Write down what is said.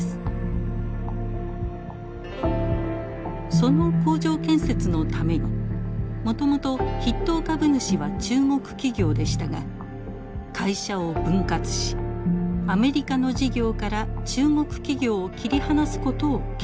その工場建設のためにもともと筆頭株主は中国企業でしたが会社を分割しアメリカの事業から中国企業を切り離すことを決定。